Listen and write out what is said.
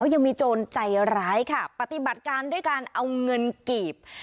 ยังมีโจรใจร้ายค่ะปฏิบัติการด้วยการเอาเงินกีบ